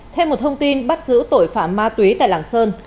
thêm một thông tin bắt giữ tội phạm ma túy tại lạng sơn